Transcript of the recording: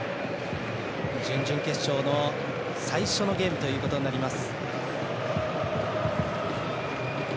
準々決勝の最初のゲームということになります。